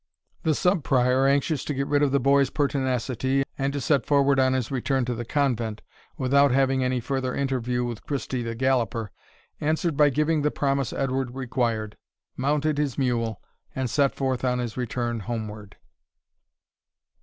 The Sub Prior, anxious to get rid of the boy's pertinacity, and to set forward on his return to the convent, without having any further interview with Christie the galloper, answered by giving the promise Edward required, mounted his mule, and set forth on his return homeward.